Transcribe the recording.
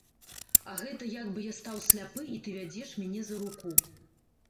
А гэта як бы я стаў сляпы і ты вядзеш мяне за руку.